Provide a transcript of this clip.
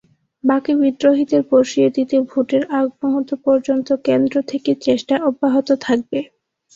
বাকি বিদ্রোহীদের বসিয়ে দিতে ভোটের আগমুহূর্ত পর্যন্ত কেন্দ্র থেকে চেষ্টা অব্যাহত থাকবে।